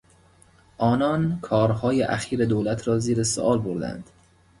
آنان کارهای اخیر دولت را زیر سوال بردند.